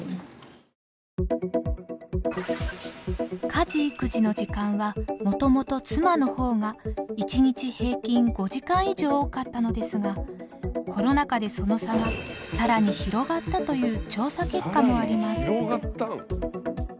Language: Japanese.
家事育児の時間はもともと妻の方が一日平均５時間以上多かったのですがコロナ禍でその差が更に広がったという調査結果もあります。